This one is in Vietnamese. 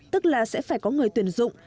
tức là sẽ phải có người tuyển dụng